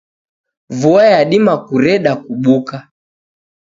Vua yadima kureda kubuka .